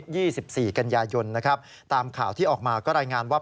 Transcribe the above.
ที่๒๔กิณญายนต์ตามข่าวที่ออกมาก็รายงานว่า